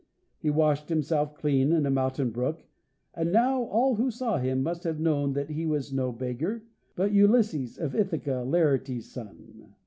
He washed himself clean in a mountain brook, and now all who saw him must have known that he was no beggar, but Ulysses of Ithaca, Laertes' son.